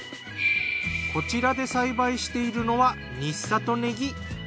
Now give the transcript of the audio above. こちらで栽培しているのは新里ねぎ。